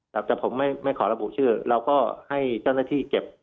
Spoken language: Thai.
แต่ผมไม่ขอระบุชื่อเราก็ให้เจ้าหน้าที่เก็บ